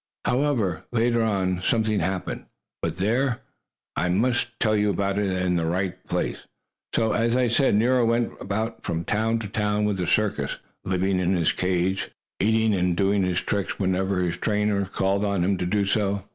However, later on, something happened But there, I must tell about it in the right place. So, as I said, Nero went about from town to town with the circus, living in his cage, eating and doing his tricks whenever his trainer called on him to do so.